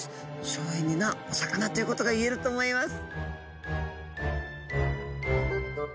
省エネなお魚ということがいえると思います。